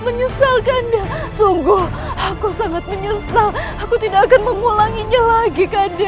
menyesalkan sungguh aku sangat menyesal aku tidak akan mengulanginya lagi kanda